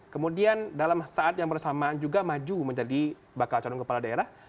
kemudian dalam saat yang bersamaan juga maju menjadi bakal calon kepala daerah